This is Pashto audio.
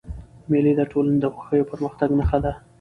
مېلې د ټولني د خوښۍ او پرمختګ نخښه ده.